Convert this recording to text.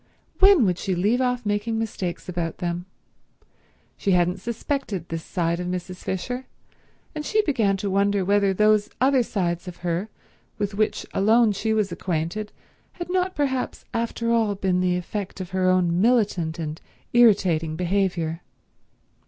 When would she leave off making mistakes about them? She hadn't suspected this side of Mrs. Fisher, and she began to wonder whether those other sides of her with which alone she was acquainted had not perhaps after all been the effect of her own militant and irritating behaviour.